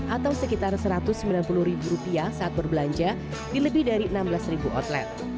atau sekitar satu ratus sembilan puluh ribu rupiah saat berbelanja di lebih dari enam belas outlet